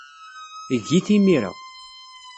Eg-it imir-a.